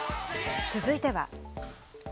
続いては。